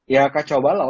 ya kacau balau